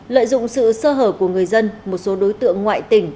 lợi dụng sự sơ hở của người dân một số đối tượng ngoại tỉnh